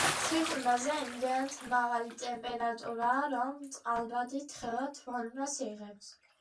სიღრმეზე იმდენად მაღალი ტემპერატურაა, რომ წყალბადი თხევად ფორმას იღებს.